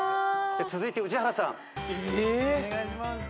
続いて宇治原さん。え？